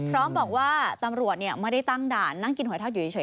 พร้อมบอกว่าตำรวจไม่ได้ตั้งด่านนั่งกินหอยทอดอยู่เฉย